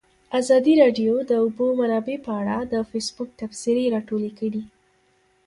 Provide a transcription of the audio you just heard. ازادي راډیو د د اوبو منابع په اړه د فیسبوک تبصرې راټولې کړي.